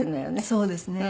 そうですね。